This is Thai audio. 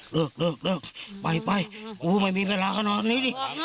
เลิกเลิกเลิกไปไปกูไม่มีเวลาก็นอนนี้ดิ